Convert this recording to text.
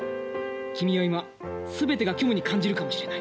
君は今全てが虚無に感じるかもしれない。